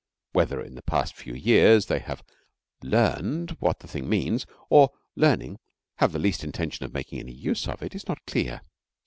Whether in the past few years they have learned what the thing means, or, learning, have the least intention of making any use of it, is not clear.